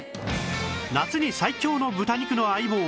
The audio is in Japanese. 夏に最強の豚肉の相棒